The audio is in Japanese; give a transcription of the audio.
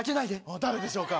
誰でしょうか？